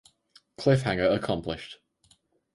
Cliffhanger accomplished.